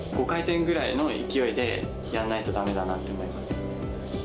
５回転ぐらいの勢いでやんないとだめだなと思います。